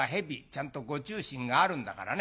ちゃんとご注進があるんだからね。